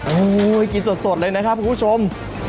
โอ้โหกินสดเลยนะครับคุณผู้ชม